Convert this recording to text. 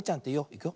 いくよ。